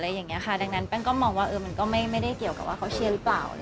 ตัวเรากับพี่เค้ามีฟลีรูดิว์ถังส่ายเวลาแบบไหน